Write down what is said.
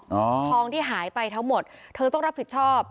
ทองที่หายไปทั้งหมดเธอต้องรับผิดชอบ